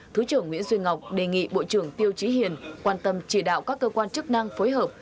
thứ trưởng nguyễn duy ngọc đề nghị bộ trưởng tiêu trí hiền quan tâm chỉ đạo các cơ quan chức năng phối hợp